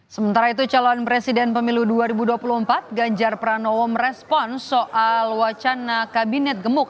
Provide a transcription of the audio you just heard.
sementara itu calon presiden pemilu dua ribu dua puluh empat ganjar pranowo merespon soal wacana kabinet gemuk